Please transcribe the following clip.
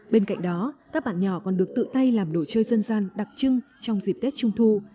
bên cạnh đó các bạn nhỏ còn được tự tay làm nổi chơi dân gian đặc trưng trong dịp tết trung thu